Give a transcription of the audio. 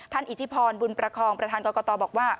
อิทธิพรบุญประคองประธานกรกตบอกว่า